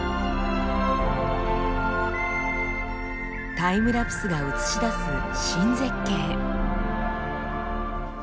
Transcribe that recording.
タイムラプスが映し出す新絶景。